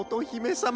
さま